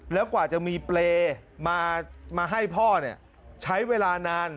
แล้วกว่าจะมีเปรย์มาให้พ่อใช้เวลานาน